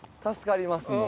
助かります